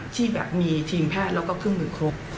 ที่แบบมีทีมแพทย์แล้วก็เครื่องมือครบ